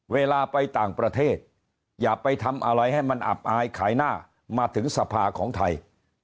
เวลาไปต่างประเทศอย่าไปทำอะไรให้มันอับอายขายหน้ามาถึงสภาของไทย